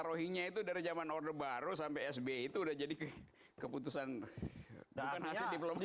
rocky nya itu dari jaman order baru sampai sbi itu udah jadi keputusan bukan hasil diplomasi